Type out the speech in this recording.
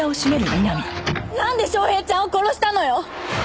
なんで昌平ちゃんを殺したのよ？